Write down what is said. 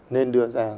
nên đưa ra